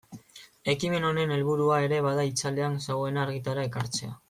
Ekimen honen helburua ere bada itzalean zegoena argitara ekartzea.